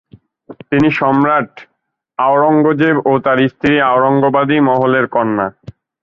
তিনি সম্রাট আওরঙ্গজেব ও তার স্ত্রী আওরঙ্গবাদী মহলের কন্যা।